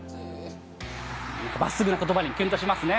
まっすぐなことばにキュンとしますね。